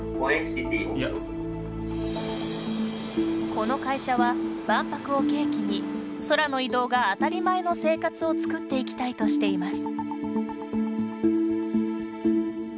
この会社は万博を契機に空の移動が当たり前の生活を作っていきたいとしています。